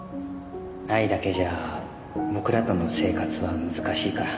愛だけじゃ僕らとの生活は難しいから